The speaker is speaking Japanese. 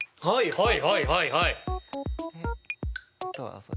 はい！